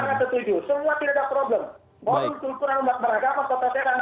semua tidak ada problem